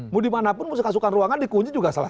mau dimanapun mau sekasukan ruangan dikunci juga salah